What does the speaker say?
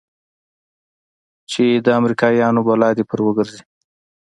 چې د امريکايانو بلا دې پر وګرځي.